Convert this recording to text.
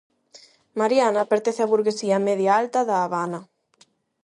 Mariana pertence á burguesía media-alta da Habana.